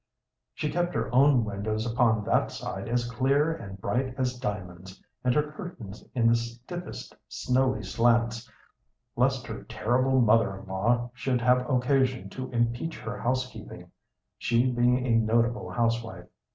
She kept her own windows upon that side as clear and bright as diamonds, and her curtains in the stiffest, snowy slants, lest her terrible mother in law should have occasion to impeach her housekeeping, she being a notable housewife.